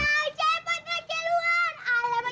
alamak cepat ke jeluan